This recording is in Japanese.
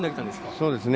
そうですね。